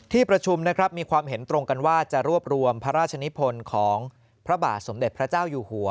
ที่ประชุมนะครับมีความเห็นตรงกันว่าจะรวบรวมพระราชนิพลของพระบาทสมเด็จพระเจ้าอยู่หัว